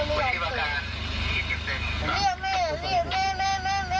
เรียกแม่เรียกแม่แม่แม่